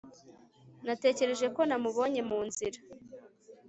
Natekereje ko namubonye mu nzira